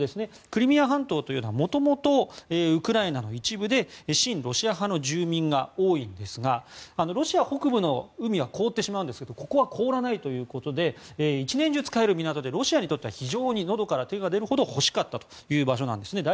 クリミア半島というのは元々、ウクライナの一部で親ロシア派の住民が多いんですがロシア北部の海は凍ってしまうんですけどここは凍らないということで１年中使える港でロシアにとっては非常にのどから手が出るほど欲しかった場所なんです。